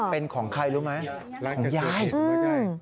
เป็นของใครรู้ไหมของยาย